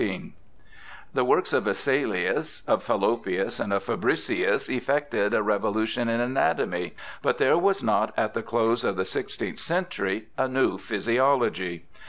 ^ The works of Vesalius, of Fallopius, and of Fabricius effected a revolution in anatomy, but there was not at the close of the sixteenth century a new physiology.